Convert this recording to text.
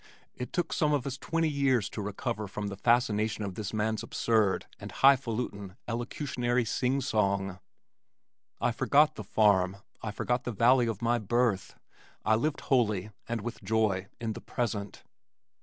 It took some of us twenty years to recover from the fascination of this man's absurd and high falutin' elocutionary sing song. I forgot the farm, I forgot the valley of my birth, I lived wholly and with joy in the present.